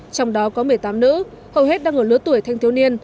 trong đó có một mươi tám nữ hầu hết đang ở lứa tuổi thanh thiếu niên